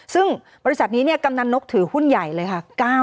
ซึ่งบริษัทนี้กำนันนกถือหุ้นใหญ่เลยค่ะ